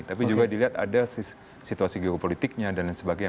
tapi juga dilihat ada situasi geopolitiknya dan lain sebagainya